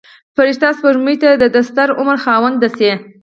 فرشته سپوږمۍ د دستر عمر خاونده شي.